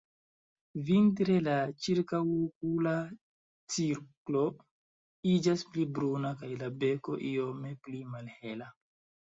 Vintre la ĉirkaŭokula cirklo iĝas pli bruna kaj la beko iome pli malhela.